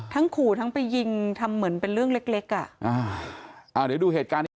ทั้งขู่ทั้งไปยิงทำเหมือนเป็นเรื่องเล็ก